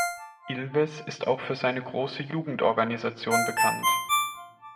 Ilves ist auch für seine große Jugendorganisation bekannt.